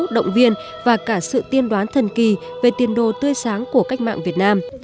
động viên và cả sự tiên đoán thần kỳ về tiền đồ tươi sáng của cách mạng việt nam